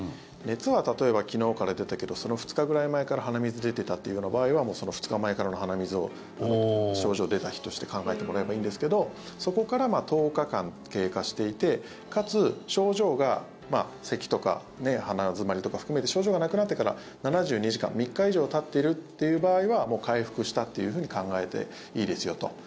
熱が、例えば昨日から出たけどその２日前ぐらいから鼻水出てたっていう場合はその２日前からの鼻水を症状出た日として考えてもらえばいいんですけどそこから１０日間経過していてかつ、症状がせきとか鼻詰まりとか含めて症状がなくなってから７２時間３日以上たっているという場合はもう回復したっていうふうに考えていいですよと。